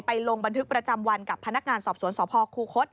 ลงบันทึกประจำวันกับพนักงานสอบสวนสพคูคศ